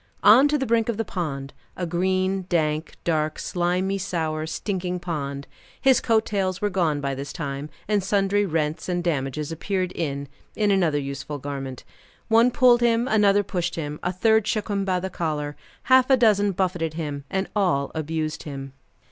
On, to the brink of the pond a green, dank, dark, slimy sour, stinking pond. His coat tails were gone by this time, and sundry rents and damages appeared in in another useful garment. One pulled him, another pushed him, a third shook him by the collar, half a dozen buffeted him, and all abused him.